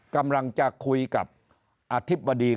กำลังจะคุยกับอธิบดี